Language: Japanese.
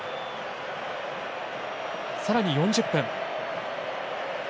さらに４０分。